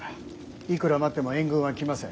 いくら待っても援軍は来ません。